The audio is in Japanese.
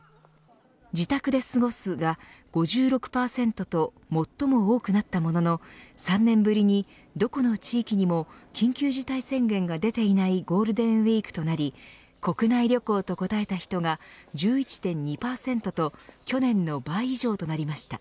自宅で過ごす、が５６％と最も多くなったものの３年ぶりに、どこの地域にも緊急事態宣言が出ていないゴールデンウィークとなり国内旅行と答えた人が１１．２％と去年の倍以上となりました。